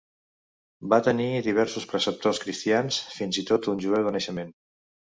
Va tenir diversos preceptors cristians fins i tot un jueu de naixement.